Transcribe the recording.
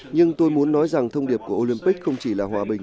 nhưng tôi muốn nói rằng thông điệp của olympic không chỉ là hòa bình